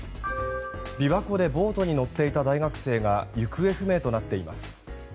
琵琶湖でボートに乗っていた大学生が行方不明となっています。